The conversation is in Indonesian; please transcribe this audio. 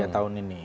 tiga tahun ini